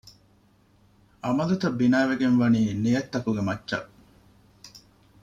ޢަމަލުތައް ބިނާވެގެން ވަނީ ނިޔަތްތަކުގެ މައްޗަށް